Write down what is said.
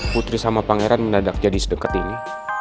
putri sama pangeran mendadak jadi sedekat ini